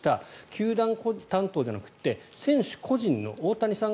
球団担当じゃなくて選手個人の大谷さん